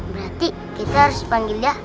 berarti kita harus panggil dia